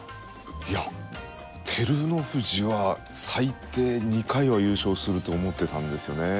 いや照ノ富士は最低２回は優勝すると思ってたんですよね。